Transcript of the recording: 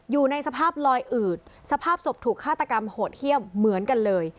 อยู่ในสภาพลอยอืดสภาพศพถูกฆาตกรรมโหดเยี่ยมเหมือนกันเลย